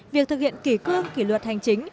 việc thực hiện kỷ cương kỷ luật hành chính